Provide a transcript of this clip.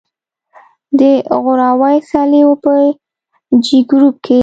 د غوراوي سیالیو په جې ګروپ کې